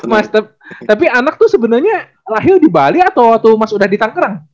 mas tapi anak tuh sebenernya lahir di bali atau tuh mas udah di tanggerang